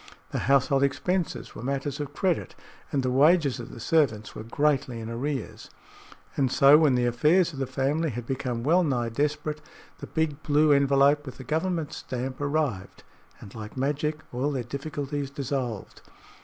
The household expenses were matters of credit, and the wages of the servants were greatly in arrears. And so, when the affairs of the family had become well nigh desperate, the big blue envelope with the government stamp arrived, and like magic all their difficulties dissolved.